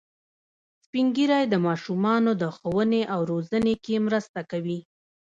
سپین ږیری د ماشومانو د ښوونې او روزنې کې مرسته کوي